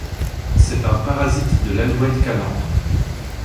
C'est un parasite de l'Alouette calandre.